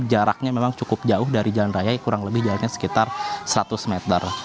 jaraknya memang cukup jauh dari jalan raya kurang lebih jaraknya sekitar seratus meter